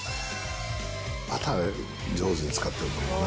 バターを上手に使ってると思うな。